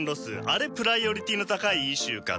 あれプライオリティーの高いイシューかと。